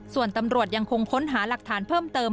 ส่วนตำรวจยังคงค้นหาหลักฐานเพิ่มเติม